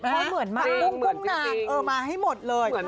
เพราะเหมือนมากพุ่งหนักเออมาให้หมดเลย